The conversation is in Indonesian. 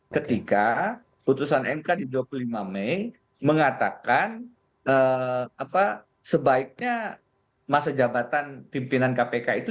ketika putusan mk di dua puluh lima mei mengatakan sebaiknya masa jabatan pimpinan kpk itu